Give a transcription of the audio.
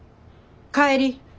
帰り。